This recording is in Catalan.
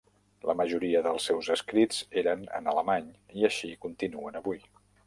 La majoria dels seus escrits eren en alemany i així continuen avui.